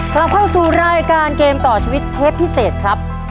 กลับเข้าสู่รายการเกมต่อชีวิตเทปพิเศษครับ